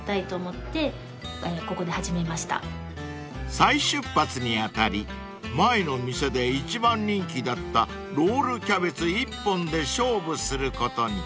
［再出発に当たり前の店で一番人気だったロールキャベツ一本で勝負することに］